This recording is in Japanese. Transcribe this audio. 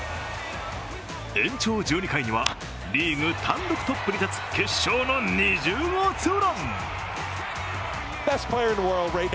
延長１２回には、リーグ単独トップに立つ決勝の２０号ツーラン。